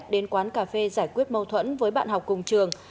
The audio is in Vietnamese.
đến quán cà phê giải quyết mâu thuẫn với bạn học cùng trường